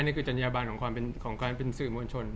หรือเป็นยาบาลของการเป็นสื่อมวลชน